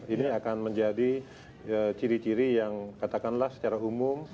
ini akan menjadi ciri ciri yang katakanlah secara umum